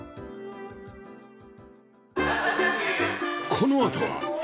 このあとは